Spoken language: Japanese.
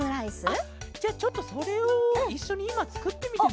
あっじゃあちょっとそれをいっしょにいまつくってみても？